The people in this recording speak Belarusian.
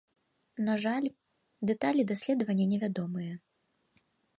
На жаль, дэталі даследавання невядомыя.